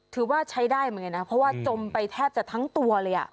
ถือว่าใช้ได้เหมือนกันนะเพราะว่าจมไปแทบจะทั้งตัวเลย